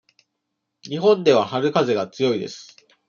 日本では春風が強いです。